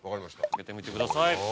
開けてみてください。